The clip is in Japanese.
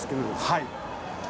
はい。